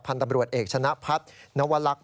พันธบรวจเอกชนะพัฒนวลักษณ์